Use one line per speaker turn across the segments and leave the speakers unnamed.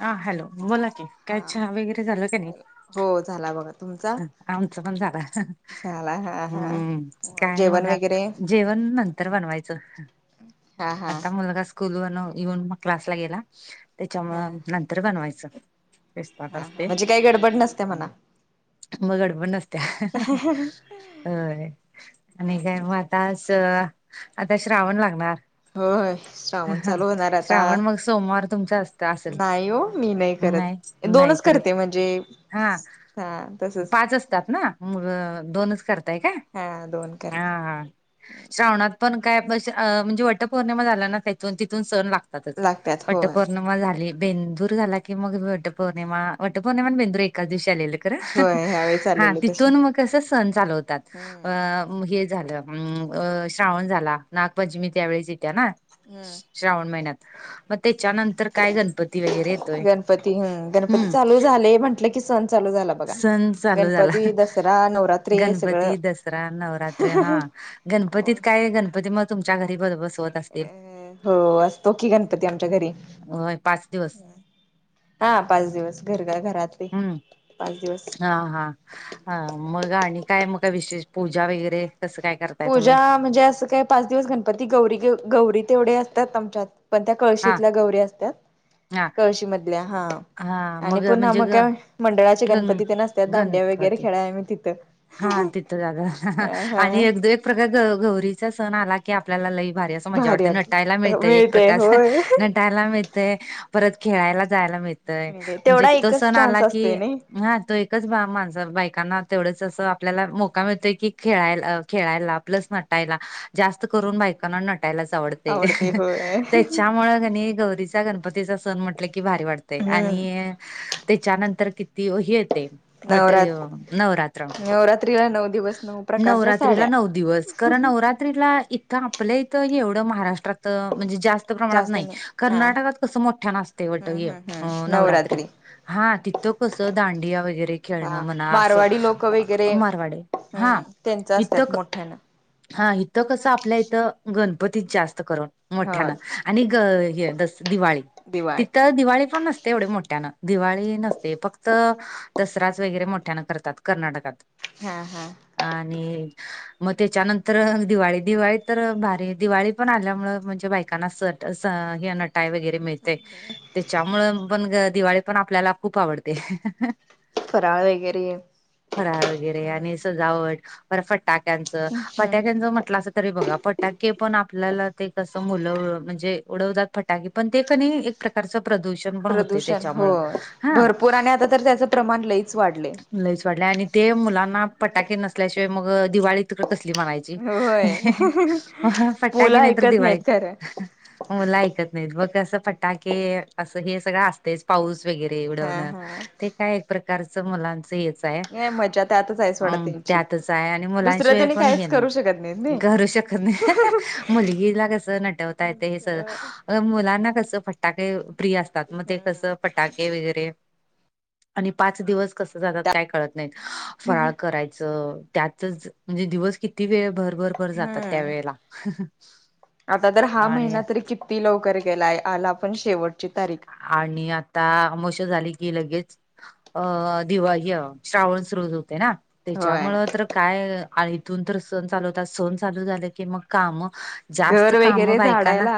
हा हॅलो बोला की. काय
हा
चहा वगैरे
हो झाला बघा. तुमचा
आमचा पण झाला.
झाला हा
हम्म
हा
काय
जेवण
मग आत
वगैरे
जेवण नंतर बनवायचं.
हा हा
आता मुलगाच, स्कूल व येऊन मग क्लासला गेला त्याच्या मुळ
हा
नंतर बनवायचं. स्वयंपाक
हा हा
असते
म्हणजे काही गडबड नसत्या म्हणा.
मग गडबड नसत्या. अय आणि काय मग आताच आता श्रावण लागणार.
हो श्रावण
ह
चालू होणार आता,
श्रावण मग सोमवार तुमचा असत असेल
नाही हो मी नाही करत.
नाही
दोनच
करत
करते म्हणजे,
हा.
हा तसच
पाच असतात ना मग दोनच करताय का?
हा दोन
हा
करते
हा श्रावणात, पण काय म्हणजे वटपौर्णिमा झाला ना त्याथून तिथून सण लागतातच
लागतात होय
वटपौर्णिमा मग झाली बेंदूर झाला की मग वट पौर्णिमा वट पौर्णिमा बेंदूर एकाच दिवशी आलेले. खर
होय ह्यावेळी
हा
चाललेले तसे
तिथून मग कस सण चालू होतात.
हम्म
हे झालं अम अ श्रावण झाला नागपंचमी त्यावेेळेस येत्या ना.
हम्म
श्रावण महिन्यात मग त्याच्यानंतर काय गणपती वगैरे येतोय.
गणपती ह गणपती
हम्म
चालू झाले म्हटलं की सण चालू झाला. बघा
सण चालू झाला.
गणपती दसरा नवरात्री
गणपती
सगळं
दसरा नवरात्र हा गणपतीत काय गणपती मग तुमच्या घरी बर बस
अ हो असतो की गणपती आमच्या घरी.
वय पाच दिव
हा पाच दिवस घर घरातही
हम्म
पाच दिवस.
हा हा मग आणि काय मग का विशेष पूजा वगैरे कसं काय, करताय तुम्ही
पूजा म्हणजे असं काय पाच दिवस गणपती गौरी गौरी तेवढे असतात आमच्यात. पण त्या
हा
कळशीतल्या गौरी असतात
हा
कळशी मधल्या हा.
हा
आणि पुन्हा
म्हणजे
मग
ग
काय मंडळाचे
गण
गणपती तेन असत्यात दांड्या वगैरे
गणपती
खेळायला आम्ही तिथं.
हा तिथं जाता
ह
आणि
हा
एक दो एक प्रकार गौरीचा सण आला की आपल्याला लई, भारी अस मजा वाटत्या
वाट
नटायला मिळतय एक
मिळते
प्रकार.
होय
नटायला मिळतय, परत खेळायला जायला मिळ तय
मिळते
म्हणजे
तेवढा
तो
एकच
सण आला
चान्स
की
असतोय नाही
हा तो एकच बा माणझ बायकांना तेवढच, आपल्या मोका मिळतोय की ख खेळायला प्लस नटायला जास्त करून बाकाना नट नटायलाच आवडतय
आवडते होय
त्याच्यामुळे कणी गौरीचा गणपतीचा सण म्हटलं की भारी वाटत.
हम्म
आणि त्याच्यानंतर किती ह येतय वट
नवरात
नवरा
नवरात्रीला नऊ दिवस नऊ प्रकारच्या
नवरात्रीला
साड्या
नऊ दिवस खरं नवं नवरात्रीला इथं आपलं इथं एवढं महाराष्ट्रात म्हणजे जास्त प्रमाणात नाही कर्नाटकात कस मोठ्या वट
हम्म
असते
हम्म हम्म
नवरात्री. हा तिथं कसं दांडिया वगैरे खेळणं
हा
म्हणा असं
मारवाडी लोक वगैरे
मारवाडे हा
हम्म त्यांच
इत
असतात
क
मोठ्यानं
हा इथं कसं आपल्या इथं गणपतीच जास्त करून
हा
मोठ्यान आणि ग हे दस दिवाळी तिथं दिवाळी पण नसते एवढे मोठ्यानं दिवाळी नसते फक्त दसराच वगैरे मोठ्यानं करतात. कर्नाटकात.
हा हा.
आणि मग त्याच्यानंतर दिवाळी दिवाळी तर भारी दिवाळी पण आल्यामुळ म्हणजे बायकांना सण सण या [unintelligible] नटायला वगैरे मिळते त्यांच्यामुळे पण दिवाळी पण आपल्याला खूप आवडते.
फरार वैगेरे
फराळ वगैरे आणि सजावट बर फटाक्यांचं
हम्म
फटाक्यांचं म्हटलं अस तरी बघा फटाके पण आपल्याला ते कसं मुलं म्हणजे उडवतात फटाके पण ते कनी नाही ए क प्रकारचं प्रदूषण पण होते
प्रदूषण हो
त्याच्यामुळं हा
भरपूर आणि आता तर त्याचं प्रमाण लईच वाढलय.
लईच वाटले आणि ते मुलांना पटाके नसल्याशिवाय मग दिवाळी तर तसली म्हणायची
होय मुलं
फटाके नाही तर
ऐकत
दिवाळी
नाहीत खरं
म मूलं ऐकत नाहीत मग कसं फटाके असं हे सगळं असतयच. पाऊस वगैरे उडवण
हा हा
ते काय एक प्रकारच मुलांच हेच
नाही मजा त्यातच आहे सोडा त्यांची
त्यातच आहे आणि
दुसरं
मुलांशिवाय
त्यांनी
पण हे
काहीच करू शकत नाहीत नाही
करू शकत नाय. मुलगीला कस नटवता येत हे स मुलांना कसं फटाके प्रिय असतात मग ते कसं टाके वगैरे आणि पाच दिवस कस जातात काय कळत नाय. फराळ करायच त्यातच म्हणजे दिवस किती वेळ भर भर
हम्म आता तर हा
आणि
महिना तरी कि किती लवकर गेलाय आला आपण शेवटची तारीख
आणि आता आमोशा झाली की लगेच अ दिवाळी श्रावण सुरु होतोय ना?
होय
त्याच्यामुळ तर काय आळीतून तर सण चालू होतात सण चालू झाले की मग काम जास्त
घर
काम
वगैरे
बायकांना
झाडायला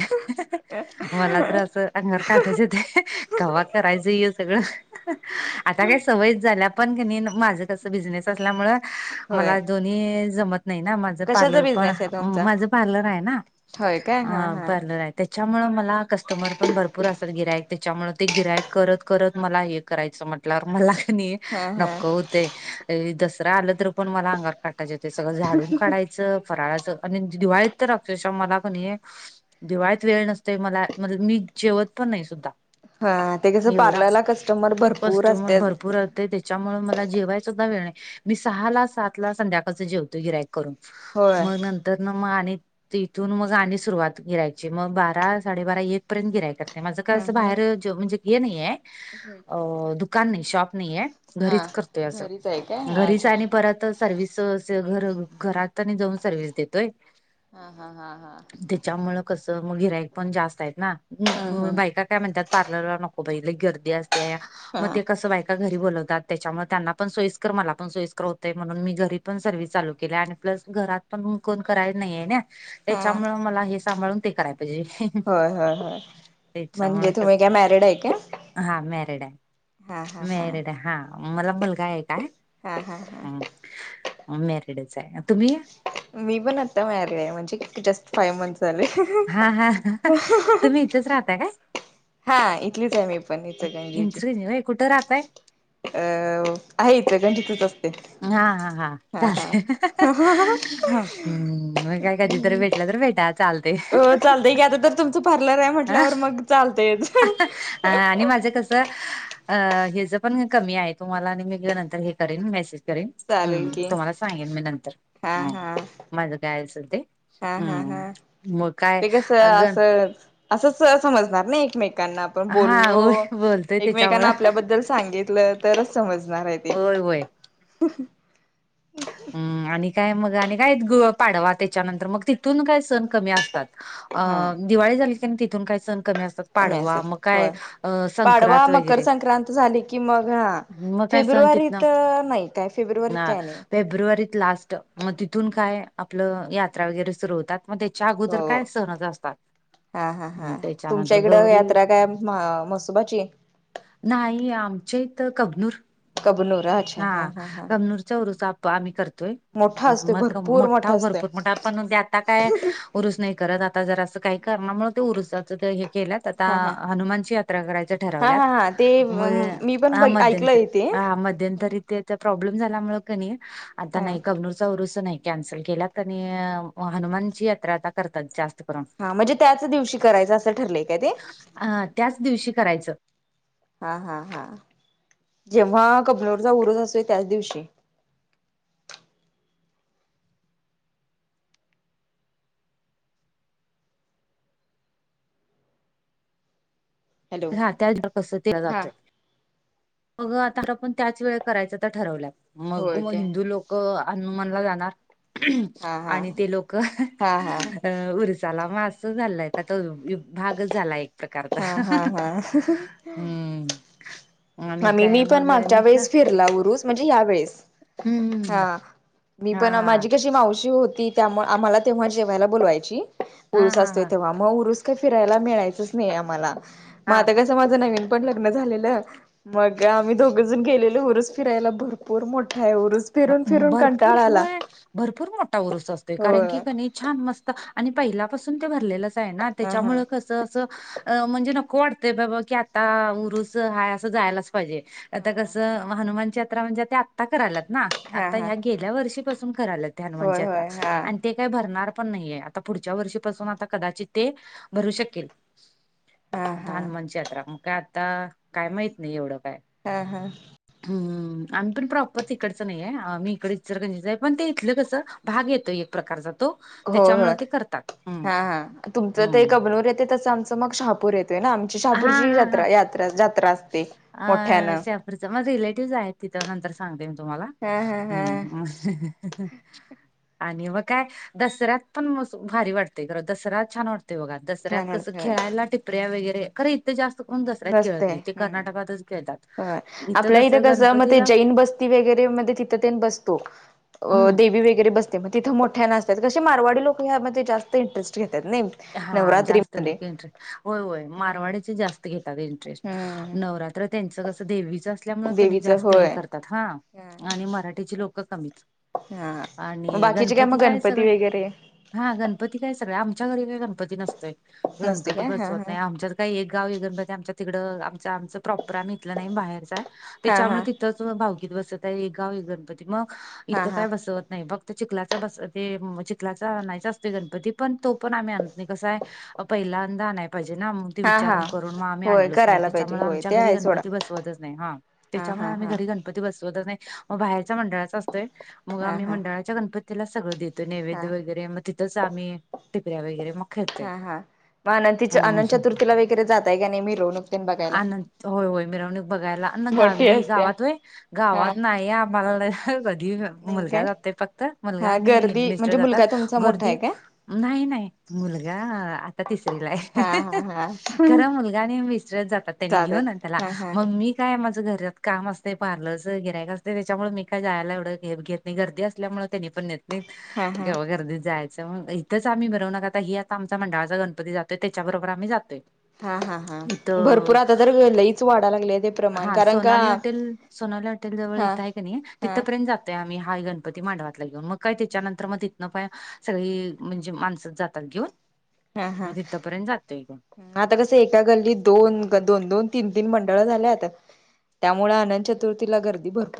हा हा हा मला तर अस अंगावर काटाचं येतोय कव्हा करायचं हे सगळं. आता काय सवयच झाल्या. पण कनी माझं कस बिझनेस असल्यामुळे मला
होय
दोन्ही जमत नाही ना म्हण
कशाचा
पार्लर पण
बिझनेस आहे तुमचा
माझ पार्लर आहे ना
होय काय हा हा
पार्लर आहे. त्याच्यामुळे मला कस्टमर पण भरपूर असतात गिरायक त्याच्यामुळे ते गिरायक करत करत मला हे करायचं म्हटलंवर मला कणी
हा हा
नको होतेय दसरा आला तर पण मला अंगार काटा त्याच्या ते सगळं झाडून काढायचं फराळायचं आणि दिवाळीत तर अक्षरशा मला कणी दिवाळीत वेळ नसतोय मला म्हाणून मी जेवत पण नाही सुद्धा.
हा ते कसं
एवढा असतं
पार्लरला कस्टमर भरपूर
कस्टमर
असत्यात
भरपूर असहते ते. त्याच्यामुळे मला जेवाय सुद्धा वेळ नाही मी सहा ला सात ला संध्याकाळच जेवतो गिराईक
होय
मग नं तर मग आणि तिथून मग आणि सुरुवात मग बारा साडेबारा एक पर्यंत गिराईक. ते माझं कस बाहेर जे म्हणजे हे नाहीये.
हम्म,
अ दुकान नाही शॉप नाही आहे घरीच करतोय असं
घरीच आहे काय हा
घरीच
अच्छा
आणि परत. त सर्व्हिस स घ घरात आणी जाऊन सर्व्हिस देतोय.
हा हा हा हा
त्याच्यामुळं कस मग गिराईक पण जास्त आहेत ना.
हम्
हम,
हम्
बायका काय म्हणतात पार्लरला नको बाई लई गर्दी असते
हा
मग ते. कसं बाय का घरी बोलवतात त्याच्यामुळे त्यांना पण सोईस्कर मला पण सोईस्कर होतय म्हणून मी घरी. पण सर्व्हिस चालू केलिया आणि प्लस घरात पण कोण करायला नाहीये ना.
हा
त्याच्यामुळे मला हे सांभाळून ते कराय पाहिजे.
होय होय होय, म्हणजे
त्याच्यामुळं तर
तुम्ही काय मॅरिड आहे काय
हा मॅरिड आहे.
हा हा
मॅरिड आहे हा मला मुलगा एक आहे.
हा हा हा,
मॅरिडच आहे तुम्ही?
मी पण आता मॅरीड आहे म्हणजे किती जस्ट फाईव्ह मंथ झाले.
हा हा, तुम्ही इथंच राहता काय?
हा इथलीच आहे मी पण इचलकरंजीची
इचलकरंजीत होय कुठे राहताय.
अ आहे इचलकरंजीतच असतोय.
हा हा हा, हम्म हा, मग काय कधी तर भेटला तर भेटाल. चालतय
हो चालतंय
आ,
चालतय.
हा, आणि माझं कस. त अ, हेज पण कमी आहे तुम्हाला आणि मी नंतर हे करेन मेसेज. करेन
चालेल
हम
की
तुम्हाला सांगेन मी नंतर
हा
ह
हा
माझ काय असेल ते.
हा हा हा,
हम्म मग काय
ते कस
अगं
असं असंच सहज समजणार ना एकमेकांना आप ''--'' आपण
हा
बोललो
होय बोलतोय
एकमेकांना
त्याच्यामुळं
आपल्याबद्दल सांगितलं तरच समजणार आहे ते.
होय होय
[inaudible]
हम् आणि काय मग आणि काय ग पाडवा त्याच्यानंतर मग तिथून काय सण कमी असतात. अ
हा
दिवाळी झाली क तिथून काय सण कमी असतात. पाडवा
मेसेज
मग काय
होय
अ
पाडवा
संक्रांत
मकर
वगैरे.
संक्रांत झाली की मग हा
मग काय सन तीतन
फेब्रुवारीत नाही काय फेब्रुवारीत
ना हा,
काय नाही
फेब्रुवारीत लास्ट मग तिथून काय आपलं यात्रा वगैरे सुरू होतात. मग त्याच्या आगोदर
हो
काय सणच असतात.
हा हा
हम्म,
हा, तुमच्या
त्याच्यानंतर
इकडं
गौरी
यात्रा काय म मसुबाची.
नाही आमच्या इथ कबनूर
कबनूर अच्छा
हा
हा
कबनूर. चा उरूस आप आम्ही करतोय
मोठा असतोय
मग
भरपूर
मोठा
असतोय
भरपूर मोठ पण आता काय. उरुस नाही करत आता जर असं काही करणारमुळे ते उरुसाच हे केल्यात. ता
हा हा
हनुमानची यात्रा करायच
हा
ठरवल्यात
हा हा ते
मग
मी पण
हा
बघ
मध्यंतरी.
ऐकलंय ते
हा मध्यंतरी इथे प्रॉब्लेम झाल्यामुळे कणी आता
हा
नाही कबनूर. चा उरूस नाही कॅन्सल केल्यात आणि हनुमानची यात्रा आता करतात जास्त. करून.
हा म्हणजे त्याच दिवशी करायचं असं ठरलंय काय ते.
हा, त्याच दिवशी करायचं.
हा हा हा जेव्हा कबनूर चा उरूस असतोय त्याच दिवशी. हॅलो
राहत्याल [unintelligible]
हा
जातोय. मग आता आपण त्याच वेळेत करायचं तर ठरवल्या मग
होय
मग
काय
हिंदू लोक अ हनुमान ला जाणार हम जाणार
हा हा
आणि ते लोक
हा हा
अ उरसाला मास झालाय आता तळून बागच झालय एक करता
हा हा हा
हम.
आमी मी पण मागच्या
हा
वेळेस फिरला उरुस म्हणजे यावेेळेस.
हम्म
हा मी
हा
पण
हा
माझी कशी मावशी होती. त्यामुळ आम्हाला तेव्हा जेव्हायला बुलवायची
हा
उरूस
हा
आसतोय
हा
तेव्हा. मग उरुस काय फिरायला मिळायचच नाई आम्हाला मग
हा
आता कसं माझं नवीन पण लग्न झालेलं. मग आम्ही दोघंजण गेलेलो उरूस फिरायला भरपूर मोठा हाय उरूस. फिरून फिरून
भरपूर
कंटाळा आला
होय भरपूर मोठा उरूस आसतोय कारण
होय
की कनी छान मस्त आणि पहिल्यापासून ते भरलेलंच हाय ना
हा हा
तेच्यामुळ कस च अस म्हणजे नको वाटतंय बाबा की आता उरुस हाय असं जयालाच पायजे आता कस हनुमानची यात्रा म्हणजे ते आत्ता करायल्यात ना
हा
आत्ता
हा
ह्या गेल्या ह्या वर्षीपासून करायल्यात ते
होय
हनुमानची यात्रा
होय हा
आण ते काय भरणार पण नाईये आता पुढच्या वर्षीपासून आता कदाचित ते भरू शकेल.
हा
आता
हा
हनुमांनची यात्रा मग काय आता काय माहिती नाही एवढं काय.
हा हा.
हम्म आम्ही पण प्रॉपर तिकड च नाहीये आम्ही इकड इचलकरंजीच हाय पण ते इथल कसं भाग येतोय एक प्रकारचा. तो
हो हो
त्याच्यामुळे ते करतात हम्म
हा हा तुमचं ते
हम्म.
कबरवर येतय तसं आमच मग शहा पूर येतय ना आमची
हा
शहापूरची
हा हा
जत्रा यात्रा जात्रा अ
अ शहापूरच माज रिलेटिव्ह आहेत तिथं नंतर सांगते मी तुम्हाला.
हा हा हा
हम्म ह ह ह. आणि मग काय दसऱ्यात पण मस भारी वाटतय खरं दसऱ्या छान वाटतोय बघा. दसऱ्यात
छान
कसं
वाटत
खेळायला टिपऱ्या वगैरे खर इथ जास्त कोण दसऱ्यात खेंळत नाहीत.
हम व्हय आपल्या इथ
कसं
कस मग ते
गणपतीला
जैन बस्ती वगैरे मध्ये तिथं तेन बस तो अ
हम्म
दे व्ही वैगेरे बसते मग तिथ मोठ्यान असत्यात कसे मारवाडी लोक ह्यामध्ये जात इंटरेस्ट घेत्यात नई.
हा जास्त लोक इंट्रे होय होय
हम्म
मारवाड्याचे जास्त. ते घेतात इंटरेस्ट
हम्म
नवरात्र त्यांच कस देवीच असल्यामुळे त्यांनी
देवीच
जास्त हे
होय
कर हा आणि मराठीची लोकं कमीच
हा मग
आणि
बाकीचे
गणपती
मग
काय सगळं
वगैरे
हा गणपती काय सगळं आमच्या घरी काय गणपती नसतोय
नसते
गणपती
काय हा
बसवत
हा
नाई आमच्या काई एक गाव गणतीती आमच्या तिकडं आमच आमच प्रॉपर आम्ही इथलं नाई बाहेरच हाय
हा
तेच्यामुळ
हा
तिथ तच भावकीत बसताय एक गाव एक गणपती मग
हा
इथं
हा
काय बसवत नाय भक ते चिकलाचा बस ते चिकलाचा आणायचा आसतोय गणपती पण तो आम्ही आण पहिलांदा आणाय पाहिजे ना. ते
हा हा
विचारून करून मग आम्ही
होय
आणलोच नाही
करायला पाहिजे
त्याच्यामुळे
होय
आमच्या
ते
घरी
आहे सोडा
गणपती बसवतच नाही ह
हा
त्याच्यामुळे
हा
आम्ही
हा
घरी गण पती बसवतच नाई मग बाहेरचा मंडळाचा असतोय मग
हा
आम्ही
हा
मंडळाच्या गणपतीला सगळं देत त
हा
नैवेद्य वगैरे मग तिथच आम्ही टिपऱ्या वगैरे म
हा हा. म अनंतीच्या अनंत चतुर्थीला वगैरे जाताय का नाई मिरवणूक टेन बघाय.
अनंत होय होय मिरवणूक बघायला्
मोठी
गावी
असत्या
गावातय गावात
हा
नाही आम्हाला नाही.
नाही
मुलगा
काय
जातय फक्त मुलगा
हा
आणि हे
गर्दी
मिस्टर
म्हणजे
जातात
मुलगा तुमचा मोठा
गर्दी.
आहे काय
नाही नाही मुलगा आता तिसरीला आहे.
हा हा हा
खरं मुलगा न विसरत जातात त्यानी घेऊन त्याला
जातात हा हा
मगं. मी काय माझं घरात काम असते पार्लरचं गिरायक असते त्याच्यामुळे मी काय जायला एवढं घे - घेत. गर्दी असल्यामुळे त्यांनी पण नेत नाही
हा हा
गव्हा गर्दीत जायचं मग इथंच आम्ही मिरवणूक नकातं. ह आमचा मंडळाचा गणपती जातोय त्याच्याबरोबर आम्ही जातोयं.
हा हा हा भरपूर आता तर लईच वाढा लागलेय ते प्रमाण
हा
कारण का
सोनाली
-
हॉटेल सोनाली हटेल जवळ इथं आहे का नाही
हा
तिथंपर्यंत जातं. ते आम्ही हा गणपती मांडवातला घेऊन मग काय त्याच्यानंतर मग तथनं पण सगळी म्हणजे माणस जातं. थँक्यू [inaudible]
हा हा. आता कसं एका गल्लीत दोन- दोन- दोन तीन - तीन मंडळ झाल्या आता त्यामुळे आनंद चतुर्थी गर्दी भरपूर -